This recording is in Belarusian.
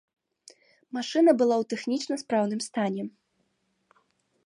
Машына была ў тэхнічна спраўным стане.